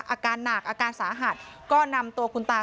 อาการหนักอาการสาหัสก็นำตัวคุณตา